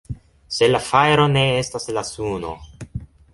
Sed la fajro ne estas la suno.